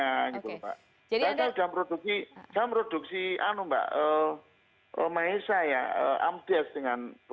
saya sudah produksi saya produksi maesah ya amdias dengan asra